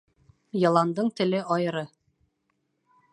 Йыландың теле айыры.